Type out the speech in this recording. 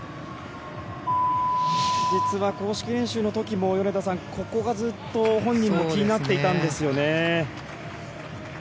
実は、公式練習の時も米田さん、ここがずっと本人も気になっていたんですよね。